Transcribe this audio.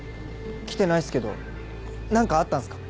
来てないっすけど何かあったんすか？